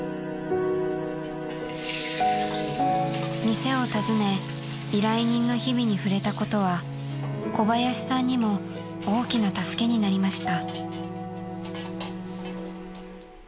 ［店を訪ね依頼人の日々に触れたことは小林さんにも大きな助けになりました］